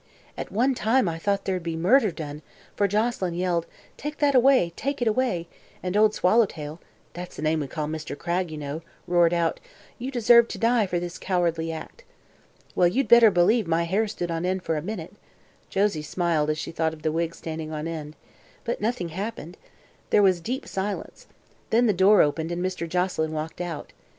"At one time I thought there'd be murder done, for Joselyn yelled: 'Take that away take it away!' and Old Swallowtail that's the name we call Mr. Cragg, you know roared out: 'You deserve to die for this cowardly act.' Well, you'd better believe my hair stood on end for a minute," Josie smiled as she thought of the wig standing on end, "but nothing happened. There was deep silence. Then the door opened and Mr. Joselyn walked out.